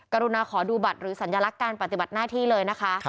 กรุณาขอดูบัตรหรือสัญลักษณ์การปฏิบัติหน้าที่เลยนะคะ